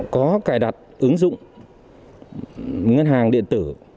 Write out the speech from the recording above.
có cài đặt ứng dụng ngân hàng điện tử